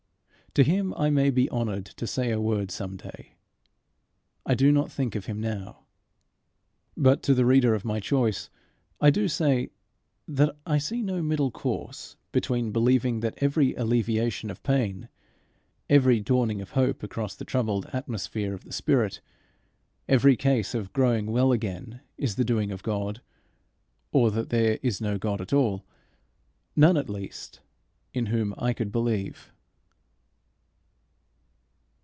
To him I may be honoured to say a word some day. I do not think of him now. But to the reader of my choice I do say that I see no middle course between believing that every alleviation of pain, every dawning of hope across the troubled atmosphere of the spirit, every case of growing well again, is the doing of God, or that there is no God at all none at least in whom I could believe.